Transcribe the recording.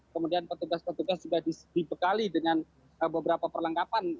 kemudian petugas petugas juga dibekali dengan beberapa perlengkapan